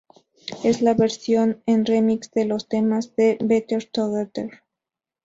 Es la versión en remix de los temas de "Better Together".